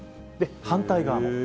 反対側も。